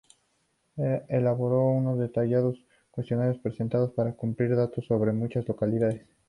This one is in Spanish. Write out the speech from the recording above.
Elaboró unos detallados cuestionarios presentados para cumplimentar datos sobre muchas localidades.